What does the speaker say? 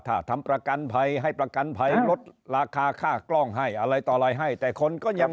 ถ้าทำประกันภัยให้ประกันภัยลดราคาค่ากล้องให้อะไรต่ออะไรให้แต่คนก็ยัง